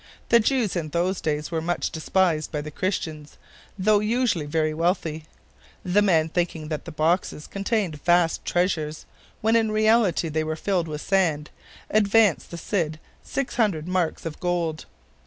The Jews in those days were much despised by the Christians, though usually very wealthy. The men, thinking that the boxes contained vast treasures, when in reality they were filled with sand, advanced the Cid 600 marks of gold.